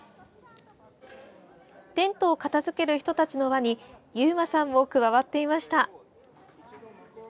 テントを片付ける人たちの輪に勇馬さんも加わっていました。